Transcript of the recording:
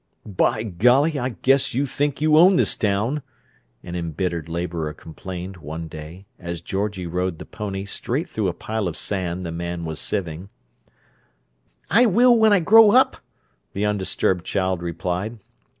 "By golly, I guess you think you own this town!" an embittered labourer complained, one day, as Georgie rode the pony straight through a pile of sand the man was sieving. "I will when I grow up," the undisturbed child replied.